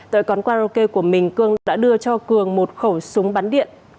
tại quán karaoke của mình cường đã đưa cho cường một khẩu súng bắn điện